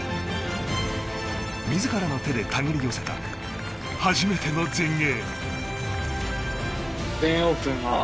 自らの手で手繰り寄せた初めての全英。